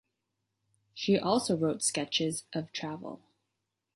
She also wrote sketches of travel.